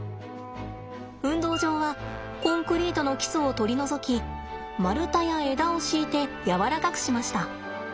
運動場はコンクリートの基礎を取り除き丸太や枝を敷いて柔らかくしました。